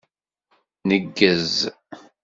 Neggez.